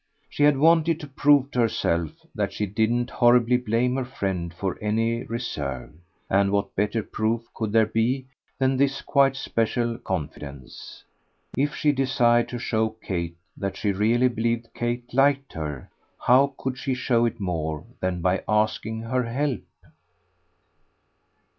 She had wanted to prove to herself that she didn't horribly blame her friend for any reserve; and what better proof could there be than this quite special confidence? If she desired to show Kate that she really believed Kate liked her, how could she show it more than by asking her help?